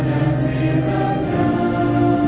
สวัสดีครับทุกคน